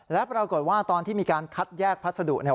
และปรากฏว่าตอนที่มีการคัดแยกพัสดุเนี่ย